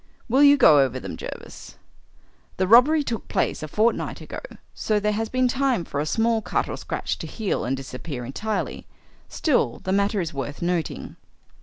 Will you go over them, Jervis? The robbery took place a fortnight ago, so there has been time for a small cut or scratch to heal and disappear entirely. Still, the matter is worth noting."